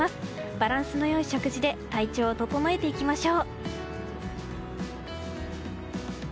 バランスの良い食事で体調を整えていきましょう。